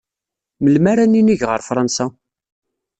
Melmi ara ninig ɣer Fṛansa?